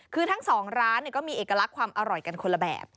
คือทั้งสองร้านก็มีเอกลักษณ์ความอร่อยกันคนละแบบ